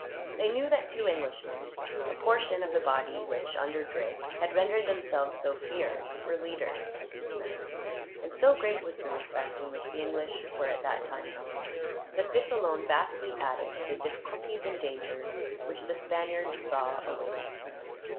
They knew that two Englishmen, a portion of the body which, under Drake, had rendered themselves so feared, were leaders of these men; and so great was the respect in which the English were at that time held, that this, alone, vastly added to the difficulties and dangers which the Spaniards saw awaiting them.